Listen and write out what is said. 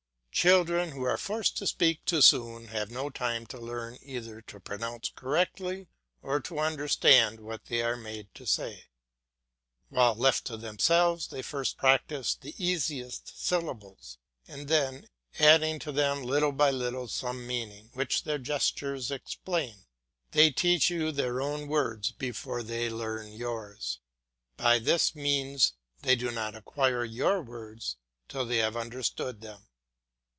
Children who are forced to speak too soon have no time to learn either to pronounce correctly or to understand what they are made to say; while left to themselves they first practise the easiest syllables, and then, adding to them little by little some meaning which their gestures explain, they teach you their own words before they learn yours. By this means they do not acquire your words till they have understood them.